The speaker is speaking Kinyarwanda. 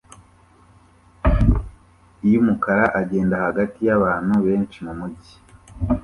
i yumukara agenda hagati yabantu benshi mumujyi